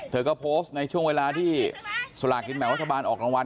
เธอก็โพสต์ในช่วงเวลาที่สลากกินแบ่งรัฐบาลออกรางวัล